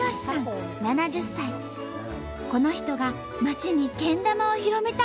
この人が町にけん玉を広めたんだって！